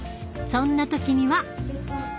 そんな時には。